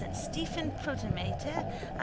Stephen Protomartyr and S.